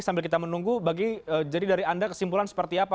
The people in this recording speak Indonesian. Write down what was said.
sambil kita menunggu bagi jadi dari anda kesimpulan seperti apa